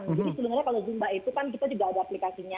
jadi sebenarnya kalau zumba itu kan kita juga ada aplikasinya